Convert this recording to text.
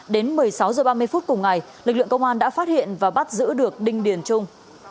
đến một mươi sáu h ba mươi phút cùng ngày lực lượng công an đã phát hiện và bắt giữ được đinh điền trung